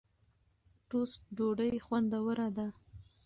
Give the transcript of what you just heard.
ټوسټ ډوډۍ خوندوره ده.